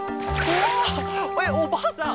えっおばあさん